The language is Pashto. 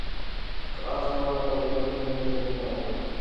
که آس نه وای خوځېدلی نو نن به ژوندی نه وای پاتې.